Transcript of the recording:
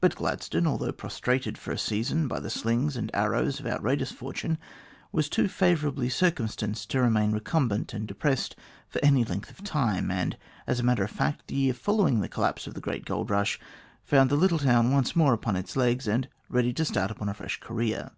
Bub Gladstone, although prostrated for a season by the slings and arrows of outrageous fortune, was too favourably circumstanced to remain recumbent and depressed for any length of time, and, as a matter of fact, the year following the collapse of the great gold rush found the little town once more upon its legs and ready to start upon a fresh career.